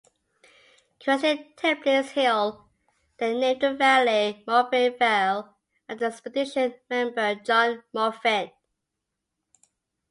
Cresting Tapleys Hill they named the valley Morphett Vale after expedition member John Morphett.